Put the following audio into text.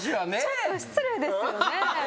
ちょっと失礼ですよね。